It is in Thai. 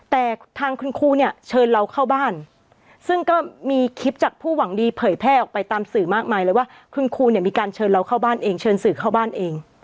แต่ทางคุณครูเนี่ยเชิญเราเข้าบ้านซึ่งก็มีคลิปจากผู้หวังดีเผยแพร่ออกไปตามสื่อมากมายเลยว่าคุณครูเนี่ยมีการเชิญเราเข้าบ้านเองเชิญสื่อเข้าบ้านเอง